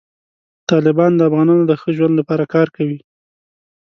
طالبان د افغانانو د ښه ژوند لپاره کار کوي.